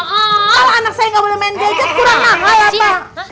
kalau anak saya gak boleh main gadget kurang mahal apa